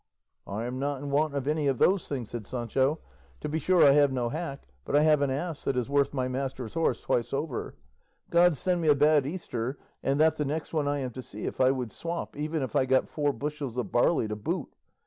"I am not in want of any of those things," said Sancho; "to be sure I have no hack, but I have an ass that is worth my master's horse twice over; God send me a bad Easter, and that the next one I am to see, if I would swap, even if I got four bushels of barley to boot.